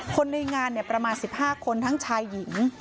คนในงานเนี่ยประมาณสิบห้าคนทั้งชายหญิง